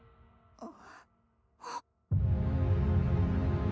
あっ。